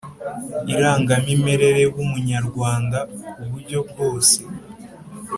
irangamimerere w umunyarwanda ku buryo bwose